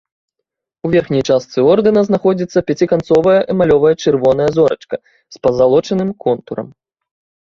У верхняй частцы ордэна знаходзіцца пяціканцовая эмалевая чырвоная зорачка з пазалочаным контурам.